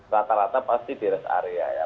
rata rata pasti di rest area ya